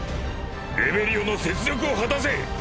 レベリオの雪辱を果たせ！！